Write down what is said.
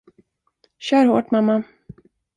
Kör hårt, mamma!